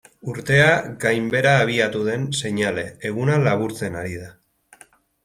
Urtea gainbehera abiatu den seinale, eguna laburtzen ari da.